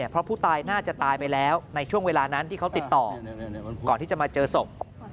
เพราะผู้ตายน่าจะตายไปแล้วในช่วงเวลานั้นที่เขาติดต่อก่อนที่จะมาเจอศพ